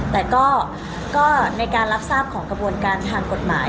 แต่ก็ในการรับทราบของกระบวนการทางกฎหมาย